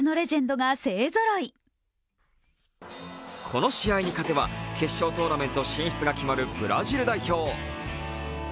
この試合に勝てば決勝トーナメント進出が決まるブラジル代表。